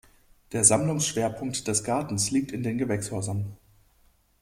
Der Sammlungsschwerpunkt des Gartens liegt in den Gewächshäusern.